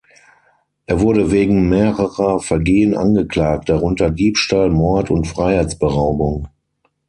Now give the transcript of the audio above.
Er wurde wegen mehrerer Vergehen angeklagt, darunter Diebstahl, Mord und Freiheitsberaubung.